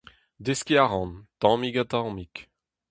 Deskiñ a ran, tammig-ha-tammig !